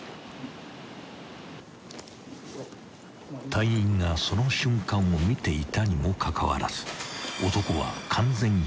［隊員がその瞬間を見ていたにもかかわらず男は］